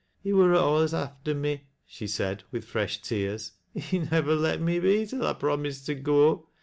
" He wur alius after me," she said, with fresh tears. "He nivver let me be till I promised to go.